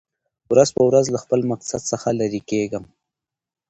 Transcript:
ورځ په ورځ له خپل مقصد څخه لېر کېږم .